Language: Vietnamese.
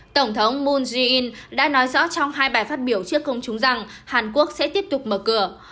tổng thống moon jae in đã nói rõ trong hai bài phát biểu trước công chúng rằng hàn quốc sẽ tiếp tục mở cửa